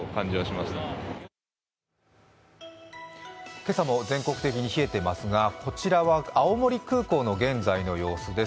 今朝も全国的に冷えていますが、こちらは青森空港の現在の様子です。